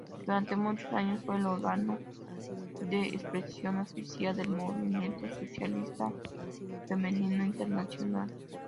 Durante muchos años, fue el órgano de expresión oficial del movimiento socialista femenino internacional.